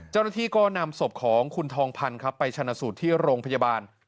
เจ้าหน้าที่ก็นำศพของคุณทองพันธ์ครับไปชนะสูตรที่โรงพยาบาล